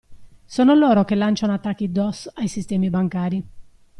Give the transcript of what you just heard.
Sono loro che lanciano attacchi DoS ai sistemi bancari.